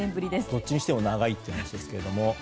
どっちにしても長いって話ですけれども。